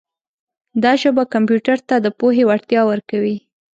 دا ژبه کمپیوټر ته د پوهې وړتیا ورکوي.